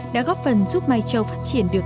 đã góp phần giúp mai châu phát triển được